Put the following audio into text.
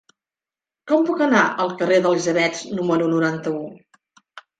Com puc anar al carrer d'Elisabets número noranta-u?